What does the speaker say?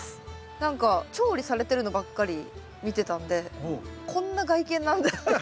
何か調理されてるのばっかり見てたんでこんな外見なんだっていう。